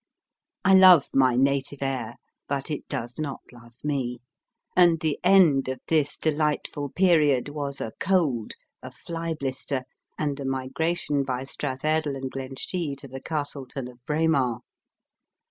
I love my native air, but it does not love me ; and the end of this delightful period was a cold, a fly blister, and a migration by Strathairdlc and Glenshee to the Castleton of Braemar.